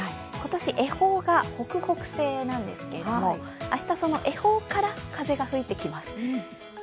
今年、恵方が北北西なんですけれども、明日、その恵方から風が吹いてきます。